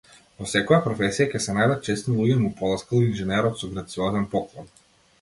Во секоја професија ќе се најдат чесни луѓе му поласкал инженерот со грациозен поклон.